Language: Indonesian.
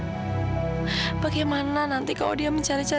ibu naiklah ibu bisa mau jalan nih